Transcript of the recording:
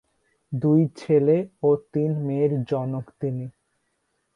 দুই ছেলে ও তিন মেয়ের জনক তিনি।